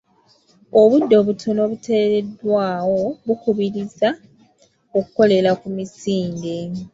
Obudde obutono obuteereddwaawo bukubirizia okukolera ku misinde.